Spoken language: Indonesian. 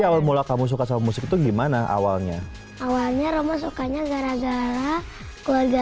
apa apa awal mula kamu suka sama musik tuh gimana awalnya awalnya roma sukanya gara gara keluarga